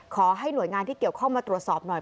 ขอให้หน่วยงานที่เกี่ยวข้องมาตรวจสอบหน่อย